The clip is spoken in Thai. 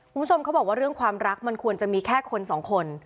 คุณผู้ชมเขาบอกว่าเรื่องความรักมันควรจะมีแค่คนสองคน